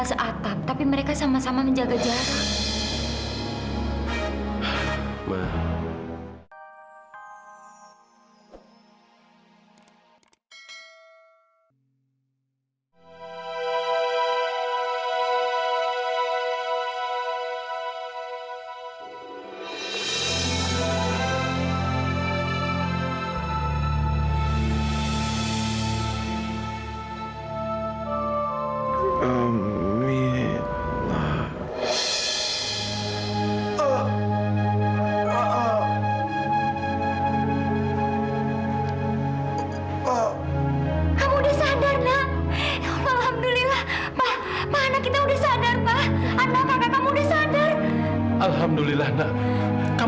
sampai jumpa di video selanjutnya